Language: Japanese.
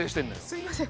すみません。